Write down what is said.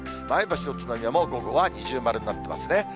前橋と宇都宮も、午後は二重丸になってますね。